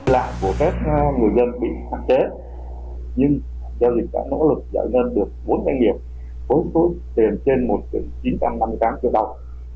lại của các người dân bị phạm chế nhưng doanh nghiệp đã nỗ lực giải nâng được bốn doanh nghiệp với số tiền trên một chín trăm năm mươi tám triệu đồng